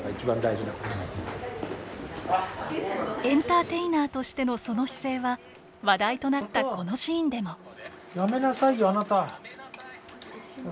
エンターテイナーとしてのその姿勢は話題となったこのシーンでも。